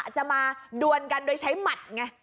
จะมาดวนกันโดยใช้หมัดไง